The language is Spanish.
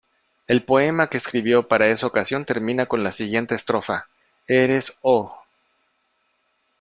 El poema que escribió para esa ocasión termina con la siguiente estrofa:Eres ¡Oh!